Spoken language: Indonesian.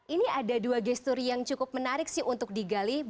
ini ada dua gestur yang cukup menarik sih untuk digali